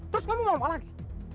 terus kamu mau ke mana lagi